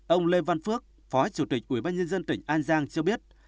ông lê văn phước phó chủ tịch ubnd tỉnh an giang cho biết